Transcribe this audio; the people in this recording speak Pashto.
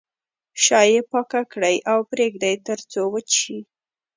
شا یې پاکه کړئ او پرېږدئ تر څو وچ شي.